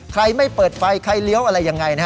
ใครไม่เปิดไฟใครเลี้ยวอะไรยังไงนะฮะ